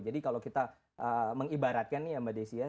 jadi kalau kita mengibaratkan nih mbak desi ya